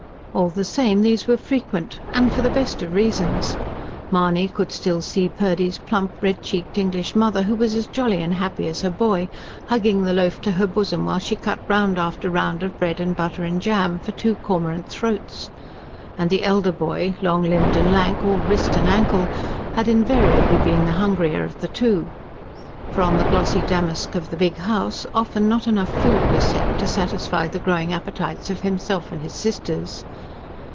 All the same these were frequent and for the best of reasons. Mahony could still see Purdy's plump, red cheeked English mother, who was as jolly and happy as her boy, hugging the loaf to her bosom while she cut round after round of bread and butter and jam, for two cormorant throats. And the elder boy, long limbed and lank, all wrist and ankle, had invariably been the hungrier of the two; for, on the glossy damask of the big house, often not enough food was set to satisfy the growing appetites of himself and his sisters.